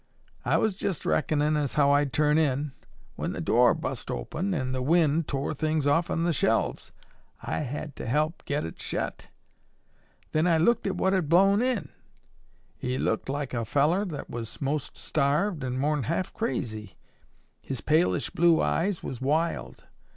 I was jest reckonin' as how I'd turn in, when the door bust open an' the wind tore things offen the shelves. I had to help get it shet. Then I looked at what had blown in. He looked like a fellar that was most starved an' more'n half crazy. His palish blue eyes was wild.